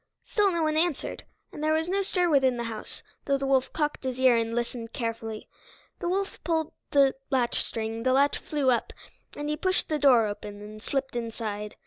Still no one answered, and there was no stir within the house, though the wolf cocked his ear and listened carefully. The wolf pulled the latchstring, the latch flew up, and he pushed the door open, and slipped inside.